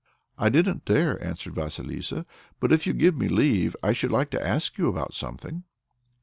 "I didn't dare," answered Vasilissa; "but if you give me leave, I should like to ask you about something."